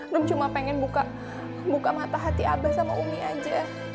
lum cuma pengen buka mata hati abah sama umi aja